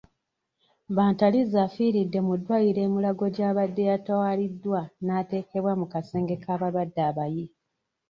Bantariza afiridde mu ddwaliro e Mulago gy'abadde yatwaliddwa naateekebwa mu kasenge k'abalwadde abayi.